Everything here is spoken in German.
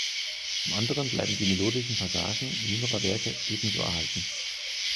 Zum anderen bleiben die melodischen Passagen jüngerer Werke ebenso enthalten.